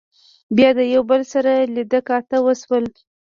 بيا د يو بل سره لیدۀ کاتۀ وشول